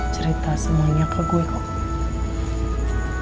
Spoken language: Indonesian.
cerita semuanya ke gue